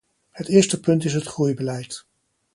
Het eerste punt is het groeibeleid.